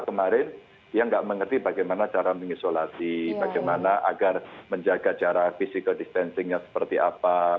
kemarin yang tidak mengerti bagaimana cara mengisolasi bagaimana agar menjaga cara physical distancing nya seperti apa